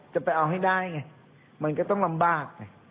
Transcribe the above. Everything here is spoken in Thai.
จะเอาให้ได้ไงมันก็ต้องลำบากไง